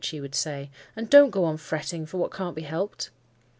she would say; "and don't go on fretting for what can't be helped."